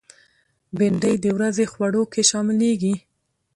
بېنډۍ د ورځې خوړو کې شاملېږي